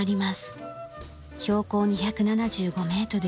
標高２７５メートル。